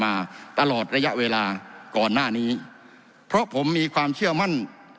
มาตลอดระยะเวลาก่อนหน้านี้เพราะผมมีความเชื่อมั่น